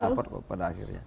saya akan dapat pada akhirnya